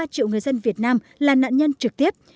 ba triệu người dân việt nam là nạn nhân trực tiếp